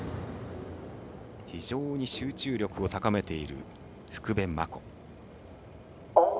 非常に集中力を高めている福部真子。